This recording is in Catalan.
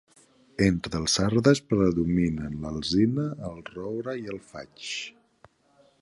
Entre els arbres predominen l'alzina, el roure i el faig.